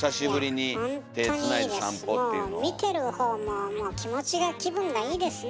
見てるほうも気持ちが気分がいいですね。